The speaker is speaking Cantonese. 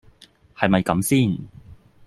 係咪咁先